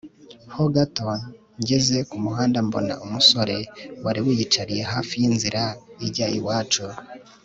ho gato ngeze kumuhanda mbona umusore wari wiyicariye hafi yinzira ijya iwacu